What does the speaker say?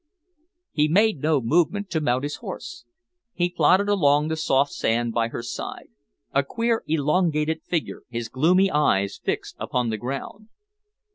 He made no movement to mount his horse. He plodded along the soft sand by her side a queer, elongated figure, his gloomy eyes fixed upon the ground.